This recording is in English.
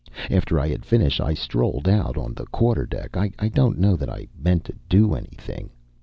After I had finished I strolled out on the quarter deck. I don't know that I meant to do anything.